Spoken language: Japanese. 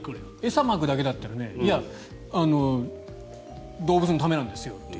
餌をまくだけだったら動物のためなんですよと。